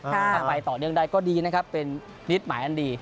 ถ้าไปต่อเนื่องได้ก็ดีนะครับเป็นมิตรหมายอันดี